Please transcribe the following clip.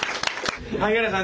萩原さん